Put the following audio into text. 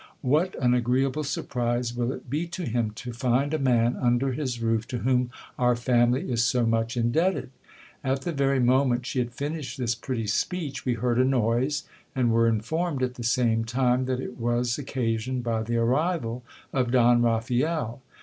What an agreeable surprise will it be to him to find a man under his roof to whom our family is so much indebted ! At the very moment she had finished this pretty speech we heard a noise, and were informed at the same time that it was occasion ed by the arrival of Don Raphael.